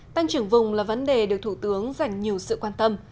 tăng trưởng vùng là vấn đề được thủ tướng dành nhiều sự quan tâm